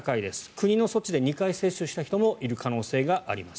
国の措置で２回接種した人もいる可能性があります。